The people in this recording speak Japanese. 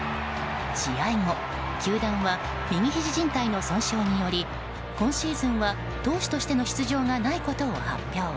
試合後、球団は右ひじじん帯の損傷により今シーズンは投手としての出場がないこと発表。